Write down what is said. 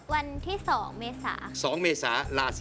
คุณฟังผมแป๊บนึงนะครับ